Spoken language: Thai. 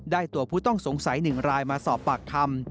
ตัวผู้ต้องสงสัย๑รายมาสอบปากคำ